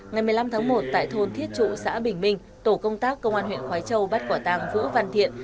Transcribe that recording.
ngày một mươi năm tháng một tại thôn thiết trụ xã bình minh tổ công tác công an huyện khói châu bắt quả tàng vũ văn thiện